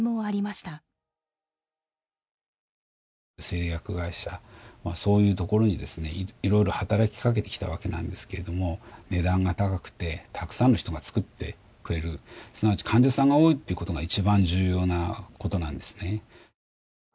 製薬会社そういうところにですねいろいろ働きかけてきたわけなんですけれども値段が高くてたくさんの人が作ってくれるすなわち患者さんが多いっていうことが一番重要なことなんですね。